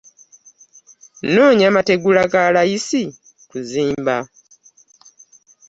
Nnoonya mategula ga layisi kuzimba.